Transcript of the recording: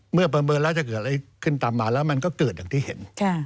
ประเมินแล้วจะเกิดอะไรขึ้นตามมาแล้วมันก็เกิดอย่างที่เห็น